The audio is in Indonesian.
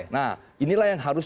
nah inilah yang harus